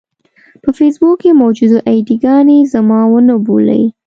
په فېسبوک کې موجودې اې ډي ګانې زما ونه بولي.